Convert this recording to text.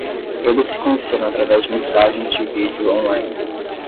Eles se conheceram através de mensagens de vídeo on-line.